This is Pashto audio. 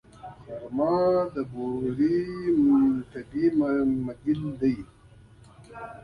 خرما د بوري طبیعي بدیل دی.